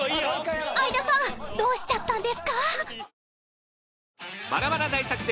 相田さんどうしちゃったんですか？